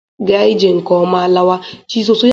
gaa ije gị nke ọma! Laawa